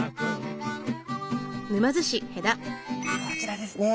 こちらですね。